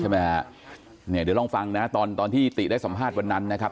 เดี๋ยวลองฟังนะตอนที่ติได้สัมภาษณ์วันนั้นนะครับ